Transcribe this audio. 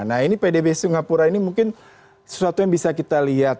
nah ini pdb singapura ini mungkin sesuatu yang bisa kita lihat